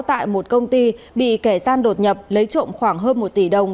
tại một công ty bị kẻ gian đột nhập lấy trộm khoảng hơn một tỷ đồng